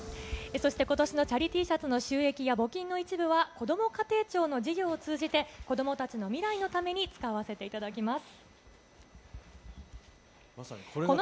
そして、ことしのチャリＴシャツの収益や募金の一部は、こども家庭庁の事業を通じて、子どもたちの未来のために使わせていただきます。